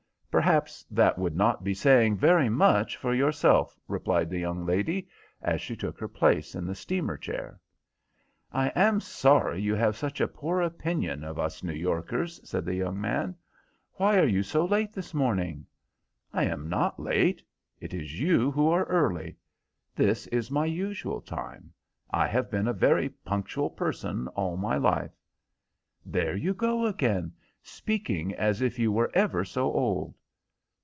"Perhaps that would not be saying very much for yourself," replied the young lady, as she took her place in the steamer chair. "I am sorry you have such a poor opinion of us New Yorkers," said the young man. "Why are you so late this morning?" "I am not late; it is you who are early. This is my usual time. I have been a very punctual person all my life." "There you go again, speaking as if you were ever so old."